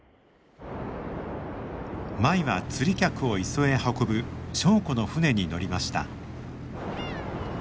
舞は釣り客を磯へ運ぶ祥子の船に乗りました。